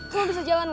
kamu bisa jalan gak